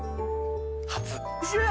初？